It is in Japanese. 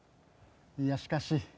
いやしかし。